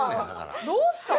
どうしたん？